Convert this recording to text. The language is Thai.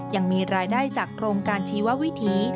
ยังมีรายได้จากโครงการชีววิถี